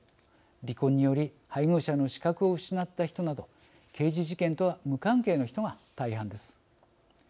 離婚により配偶者の資格を失った人など刑事事件とは無関係の人が大半です。